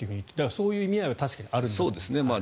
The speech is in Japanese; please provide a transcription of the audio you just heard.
そういう意味合いは確かにあるんですね。